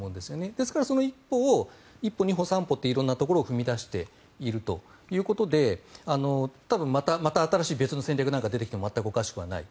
ですから、その一歩を１歩、２歩、３歩と色んなところに踏み出しているということで多分また新しい別の戦略なんかが出てきてもおかしくない。